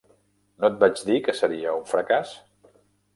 No et vaig dir que seria un fracàs?